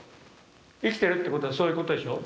生きてるってことはそういうことでしょ。